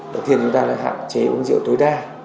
đầu tiên chúng ta lại hạn chế uống rượu tối đa